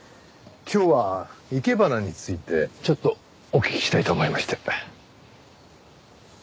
今日は生け花についてちょっとお聞きしたいと思いまして。